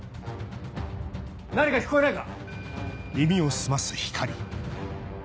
何か聞こえないか？